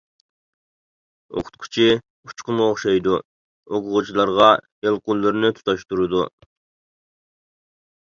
ئوقۇتقۇچى ئۇچقۇنغا ئوخشايدۇ، ئوقۇغۇچىلارغا يالقۇنلىرىنى تۇتاشتۇرىدۇ.